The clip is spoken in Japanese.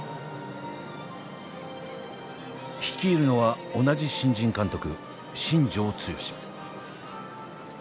率いるのは同じ新人監督新庄剛志。